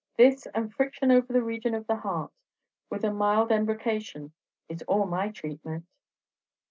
This, and friction over the region of the heart, with a mild embrocation, is all my tratement!"